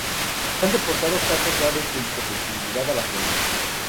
Se han reportado casos raros de hipersensibilidad al agente.